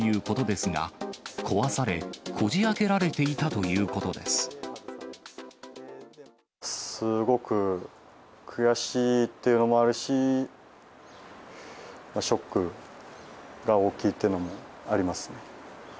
すごく悔しいっていうのもあるし、ショックが大きいっていうのもありますね。